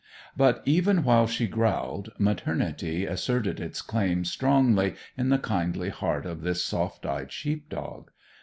But, even while she growled, maternity asserted its claim strongly in the kindly heart of this soft eyed sheep dog.